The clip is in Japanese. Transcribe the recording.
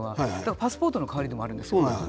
パスポートの代わりにもなるんです。